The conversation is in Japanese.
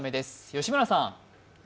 吉村さん。